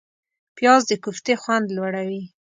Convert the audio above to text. پیاز د کوفتې خوند لوړوي